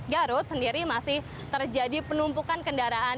garut sendiri masih terjadi penumpukan kendaraan